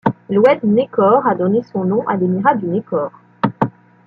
L'Oued Nekor a donné son nom à l'Emirat du Nekor.